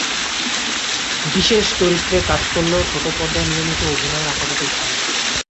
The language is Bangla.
বিশেষ চরিত্রে কাজ করলেও ছোট পর্দায় নিয়মিত অভিনয়ের আপাতত ইচ্ছা নেই।